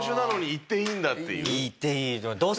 いっていい。